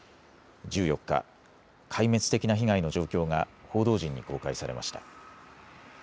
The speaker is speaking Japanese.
１４日、壊滅的な被害の状況が報道陣に公開されました。